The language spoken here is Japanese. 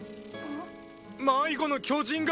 迷子の巨人が